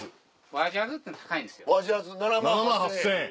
和ジャズ７万８０００円！